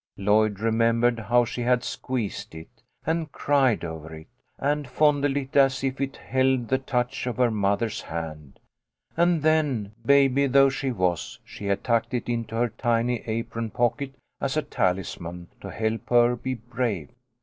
Lloyd remembered how she had squeezed it, and cried over it, and fondled it as if it held the touch of her mother's hand, and then, baby though she was, she had tucked it into her tiny apron pocket as a talisman to help her be brave.